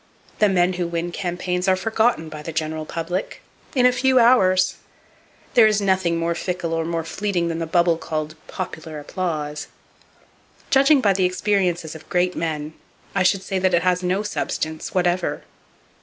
The men who win campaigns are forgotten by the general public, in a few hours! There is nothing more fickle or more fleeting than the bubble called "popular applause." Judging by the experiences of great men, I should say that it has no substance, whatever.